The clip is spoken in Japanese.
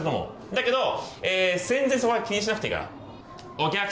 だけど全然そこは気にしなくていいから。